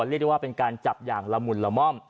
เรียกได้ว่าเป็นการจับอย่างละมุนละม่อม